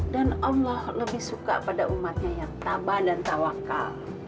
dan allah lebih suka pada umatnya yang tabah dan tawakal